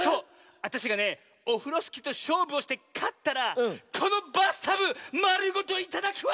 あたしがねオフロスキーとしょうぶをしてかったらこのバスタブまるごといただくわ！